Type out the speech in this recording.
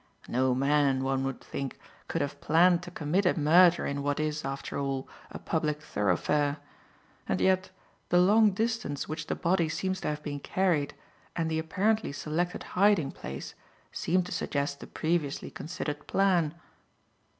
No man, one would think, could have planned to commit a murder in what is, after all, a public thoroughfare; and yet, the long distance which the body seems to have been carried, and the apparently selected hiding place, seem to suggest a previously considered plan."